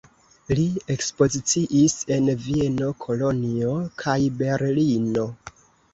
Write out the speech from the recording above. Li ekspoziciis en Vieno, Kolonjo kaj Berlino.